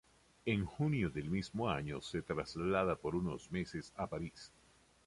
En junio del mismo año se traslada por unos meses a París.